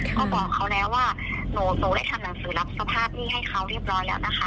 ก็บอกเขาแล้วว่าหนูได้ทำหนังสือรับสภาพหนี้ให้เขาเรียบร้อยแล้วนะคะ